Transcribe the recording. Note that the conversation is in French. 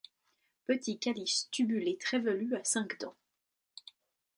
Petit calice tubulé très velu à cinq dents.